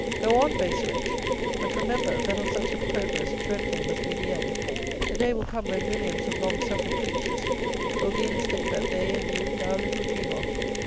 Go on, base wretch; but remember that of such a progress dreadful must be the end. The day will come when millions of long suffering creatures will be in a state that they and you now little dream of.